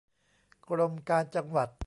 กรมการจังหวัด